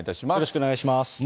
よろしくお願いします。